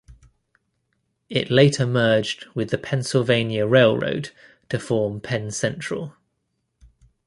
It later merged with the Pennsylvania Railroad to form Penn Central.